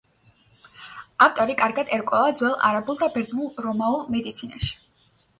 ავტორი კარგად ერკვევა ძველ არაბულ და ბერძნულ-რომაულ მედიცინაში.